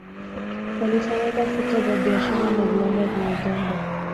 Walitawala sekta za biashara na viwanda vya Uganda